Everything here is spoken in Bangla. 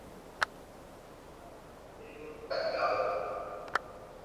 এই নতুন কাহিনী আবার কী?